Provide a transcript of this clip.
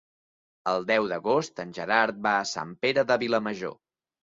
El deu d'agost en Gerard va a Sant Pere de Vilamajor.